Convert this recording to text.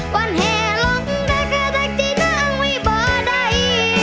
วันแห่ล้องด้วยเขาแทคที่นั่งวิบาได